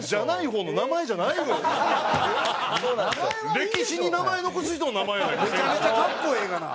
歴史に名前残す人の名前やないか「兼史鷹」。